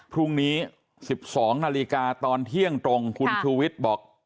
พรุ่งนี้๑๒นาฬิกาตอนเที่ยงตรงคุณชูวิทย์บอก